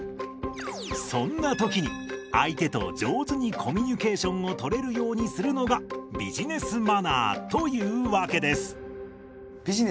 そんな時に相手と上手にコミュニケーションをとれるようにするのがビジネスマナーというわけです。